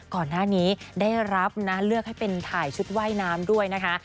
ก่อนหน้านี้ได้รับนะเลือกให้เป็นถ่ายชุดว่ายน้ำด้วยนะคะ